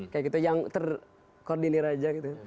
kayak gitu yang terkoordinir aja gitu